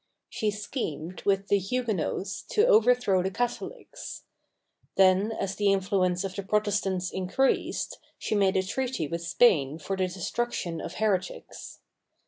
She schemed with the Hugue nots to overthrow the Catholics; then, as the influence of the Protestants increased, she made a treaty with Spain for the destruction of heretics.